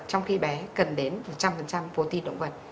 trong khi bé cần đến một trăm linh protein động vật